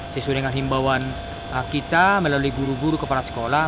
sesuai dengan himbauan kita melalui guru guru kepala sekolah